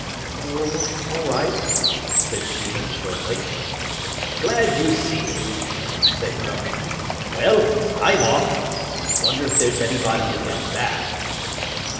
"Oh, all right," said Sheen shortly. "Glad you see it," said Drummond. "Well, I'm off. Wonder if there's anybody in that bath."